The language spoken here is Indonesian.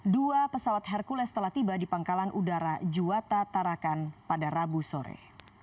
dua pesawat hercules telah tiba di pangkalan udara juwata tarakan pada rabu sore